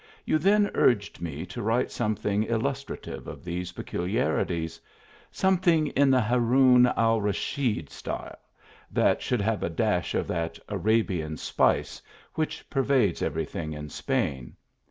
You then urged me to write something illustrative of these peculiarities; "something in the Haroun Alraschid style," that should have a dash of that Arabian spice xvhich pervades every thing in Spain.